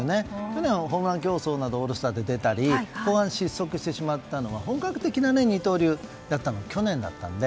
去年はホームラン競争などオールスターで出たり後半失速してしまったのは本格的な二刀流になったのが去年だったので。